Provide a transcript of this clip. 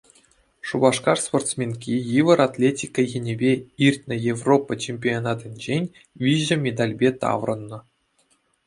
Шупашкар спортсменки йывӑр атлетика енӗпе иртнӗ Европа чемпионатӗнчен виҫӗ медальпе таврӑннӑ.